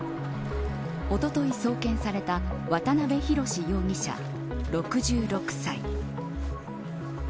おととい送検された渡辺宏容疑者、６６歳。